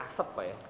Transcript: asap pak ya